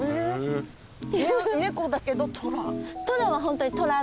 猫だけどトラ？